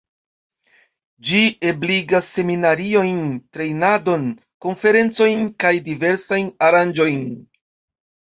Ĝi ebligas seminariojn, trejnadon, konferencojn kaj diversajn aranĝojn.